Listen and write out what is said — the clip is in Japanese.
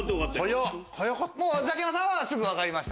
ザキヤマさんは分かりました？